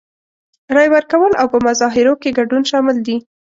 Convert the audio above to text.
رای ورکول او په مظاهرو کې ګډون شامل دي.